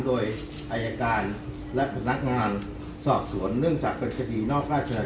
โดยอายการและพนักงานสอบสวนเนื่องจากเป็นคดีนอกราช